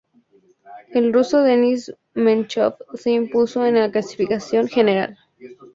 El ruso Denis Menchov se impuso en la clasificación general.